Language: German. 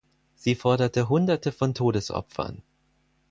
Sie forderte Hunderte von Todesopfern.